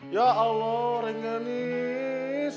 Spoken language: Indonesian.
ya allah rengganis